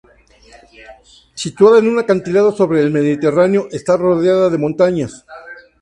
Situada en un acantilado sobre el Mediterráneo, está rodeada de montañas.